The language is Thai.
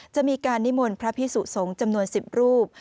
จะมีการนิมนต์พระพิสุสงฆ์จำนวน๑๐รูป